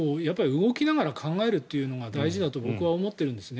動きながら考えるというのが大事だと僕は思っているんですね。